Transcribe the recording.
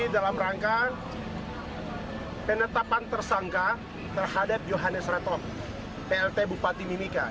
dalam rangka penetapan tersangka terhadap johannes ratop plt bupati mimika